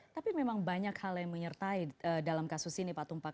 tapi memang banyak hal yang menyertai dalam kasus ini pak tumpak